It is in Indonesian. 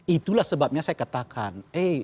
itulah sebabnya saya katakan